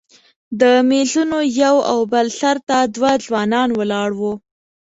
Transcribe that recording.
د میزونو یو او بل سر ته دوه ځوانان ولاړ وو.